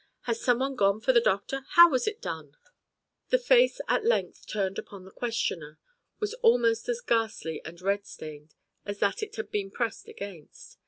Has some one gone for the doctor? How was it done?" The face at length turned upon the questioner was almost as ghastly and red stained as that it had been pressed against.